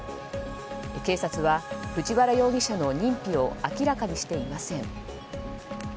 警察は藤原容疑者の認否を明らかにしていません。